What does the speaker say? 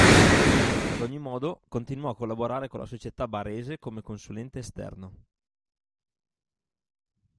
Ad ogni modo, continuò a collaborare con la società barese come consulente esterno.